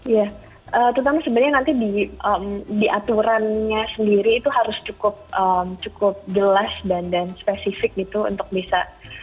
ya terutama sebenarnya nanti di aturannya sendiri itu harus cukup jelas dan spesifik gitu untuk bisa